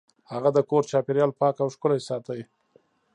هغه د کور چاپیریال پاک او ښکلی ساته.